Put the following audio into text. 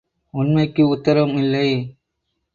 உண்மைக்கு உத்தரம் இல்லை.